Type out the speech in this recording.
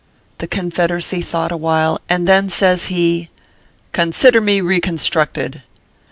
The Confederacy thought awhile, and then says he :" Consider me reconstructed."